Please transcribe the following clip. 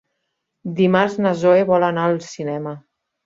Dimarts na Zoè vol anar al cinema.